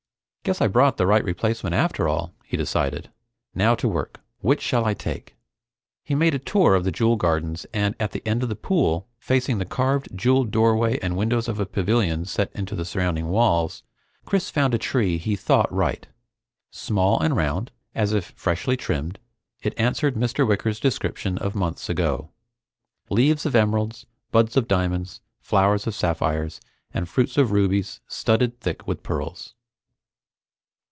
Guess I brought the right replacement after all, he decided. Now to work. Which shall I take? He made a tour of the jewel gardens, and at the end of the pool, facing the carved jeweled doorway and windows of a pavilion set into the surrounding walls, Chris found a tree he thought right. Small and round, as if freshly trimmed, it answered Mr. Wicker's description of months ago. "Leaves of emeralds, buds of diamonds, flowers of sapphires, and fruits of rubies studded thick with pearls."